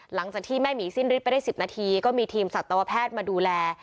หลังจากที่แม่หมีสิ้นฤทธิไปได้๑๐นาทีก็มีทีมสัตวแพทย์มาดูแล